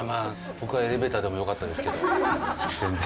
僕はエレベーターでもよかったですけど全然。